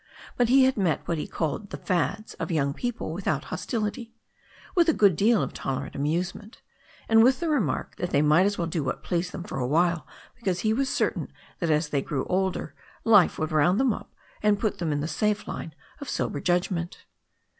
But he had met what he called the fads of young people without hostility, with a good deal of tolerant amusement, and with the remark that they might as well do what pleased them for a while, be cause he was certain that as they grew older life would round them up and put them in the safe line of sober judg ment.